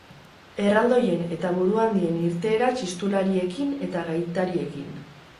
Erraldoien eta buruhandien irteera txistulariekin eta gaitariekin.